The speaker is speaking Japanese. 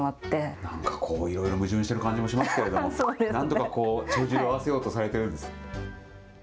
なんかこう、いろいろ矛盾している感じもしますけれども、なんとかこう、帳尻を合わせようとされてるんですね。